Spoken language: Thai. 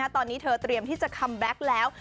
ตอนนี้เธอเตรียมที่จะคัมแบ็คแล้ว